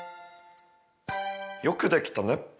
よくできたね！